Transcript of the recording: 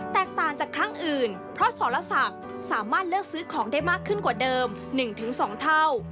แตกต่างจากครั้งอื่นเพราะสรศักดิ์สามารถเลือกซื้อของได้มากขึ้นกว่าเดิม๑๒เท่า